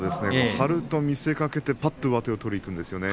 張ると見せかけてぱっと上手を取りにいくんですね